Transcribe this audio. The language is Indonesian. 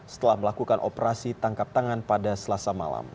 setelah melakukan operasi tangkap tangan pada selasa malam